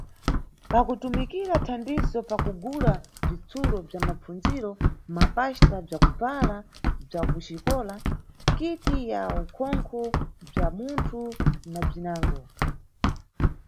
Pakutumikira thandizo pakugula bzitsulo bza mapfundziro, mapaxta, bzakubvala bza kuxikola, kiti ya ukhonkho bwa munthu, na bzinango.